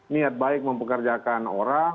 niat baik mempekerjakan orang